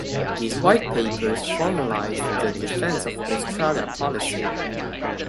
These white papers formalised the Defence of Australia policy.